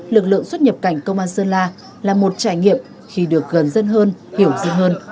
lực lượng xuất nhập cảnh công an sơn la là một trải nghiệm khi được gần dân hơn hiểu gì hơn